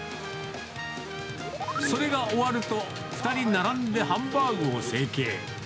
それが終わると、２人並んでハンバーグを成形。